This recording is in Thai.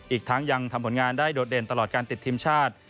อีกทั้งยังทำผลงานได้โดดเด่นตลอดการติดทีมชาติ